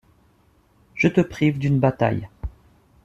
Je te prive d’une bataille.